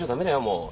もう。